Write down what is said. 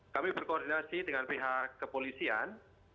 kami berkoordinasi dengan pihak kepolisian